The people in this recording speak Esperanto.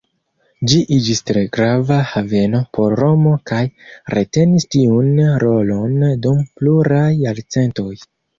Ĝi iĝis tre grava haveno por Romo kaj retenis tiun rolon dum pluraj jarcentoj.